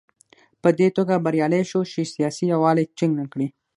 په دې توګه بریالی شو چې سیاسي یووالی ټینګ کړي.